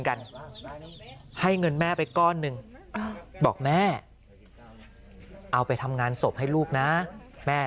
กันให้เงินแม่ไปก้อนหนึ่งบอกแม่เอาไปทำงานศพให้ลูกนะแม่